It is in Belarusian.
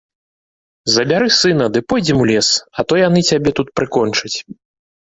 Забяры сына ды пойдзем у лес, а то яны цябе тут прыкончаць.